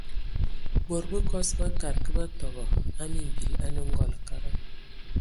Bod bəkɔs bakad kə batɔbɔ a mimbil anə:ngɔl, kada.